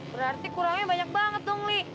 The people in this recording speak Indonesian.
berarti kurangnya banyak banget dong nih